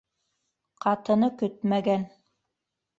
Ҡатыны көтмәгән...